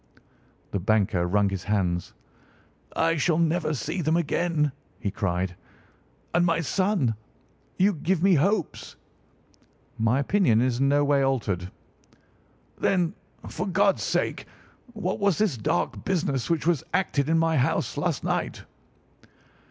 The banker wrung his hands. "I shall never see them again!" he cried. "And my son? You give me hopes?" "My opinion is in no way altered." "Then, for God's sake, what was this dark business which was acted in my house last night?"